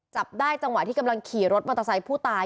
จับได้จังหวะที่กำลังขี่รถมอเตอร์ไซค์ผู้ตาย